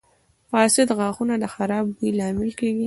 • فاسد غاښونه د خراب بوی لامل کیږي.